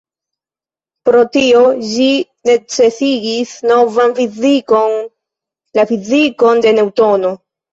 Pro tio, ĝi necesigis novan fizikon, la fizikon de Neŭtono.